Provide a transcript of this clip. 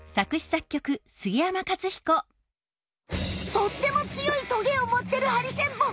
とってもつよいトゲをもってるハリセンボン。